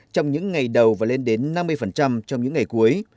trong những ngày đầu và lên đến năm mươi trong những ngày cuối